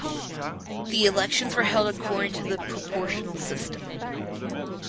The elections were held according to the proportional system.